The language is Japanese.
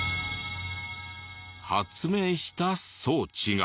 発明した装置が。